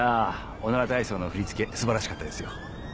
『おなら体操』の振り付けすばらしかったですよ。